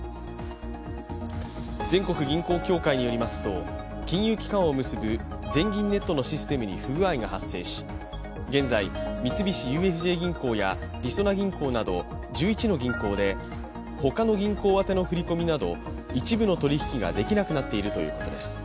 全国銀行協会によりますと、金融機関を結ぶ全銀ネットのシステムに不具合が発生し現在、三菱ＵＦＪ銀行やりそな銀行など、１１の銀行でほかの銀行宛の振込など一部の取り引きができなくなっているということです。